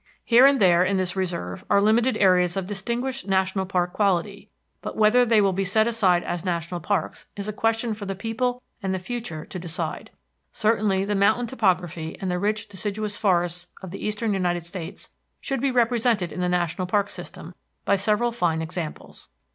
Here and there in this reserve are limited areas of distinguished national park quality, but whether they will be set aside as national parks is a question for the people and the future to decide. Certainly the mountain topography and the rich deciduous forests of the eastern United States should be represented in the national parks system by several fine examples.